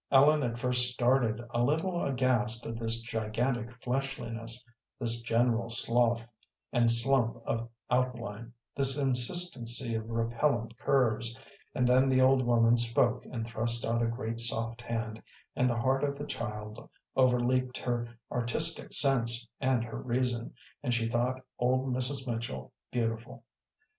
Ellen at first started a little aghast at this gigantic fleshliness, this general slough and slump of outline, this insistency of repellent curves, and then the old woman spoke and thrust out a great, soft hand, and the heart of the child overleaped her artistic sense and her reason, and she thought old Mrs. Mitchell beautiful.